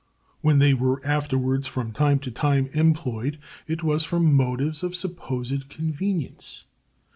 When they were afterwards from time to time employed, it was from motives of supposed convenience.